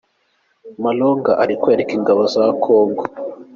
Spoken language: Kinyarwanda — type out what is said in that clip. Malonga ari kwerekwa ingabo za Congo.